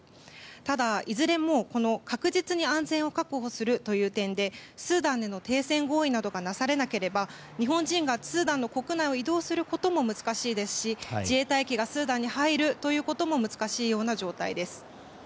ただ、いずれも確実に安全を確保するという点でスーダンでの停戦合意などがなされなければ日本人がスーダンの国内を移動することも難しいですし自衛隊機がスーダンに入ることも難しいような状態です。